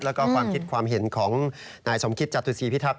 แล้วก็ความคิดความเห็นของนายสมคิตจตุศีพิทักษ